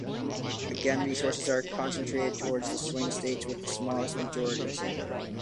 Again, resources are concentrated towards the swing states with the smallest majorities.